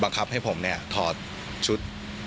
บังคับให้ผมเนี่ยถอดชุด